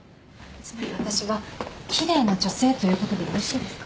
つまり私は奇麗な女性ということでよろしいですか？